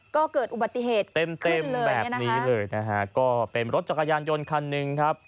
ก็เกิดอุบัติเหตุเต็มเต็มแบบนี้เลยนะฮะก็เป็นรถจักรยานยนต์คันหนึ่งครับ